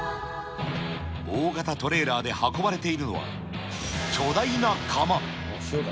大型トレーラーで運ばれているのは、巨大な釜。